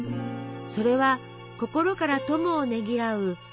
それは心から友をねぎらう